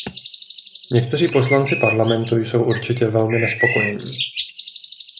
Někteří poslanci Parlamentu jsou určitě velmi nespokojení.